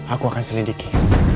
aku akan selidiki